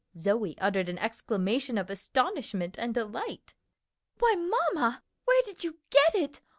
Zoe uttered an exclamation of astonishment and delight. "Why, mamma, where did you get it?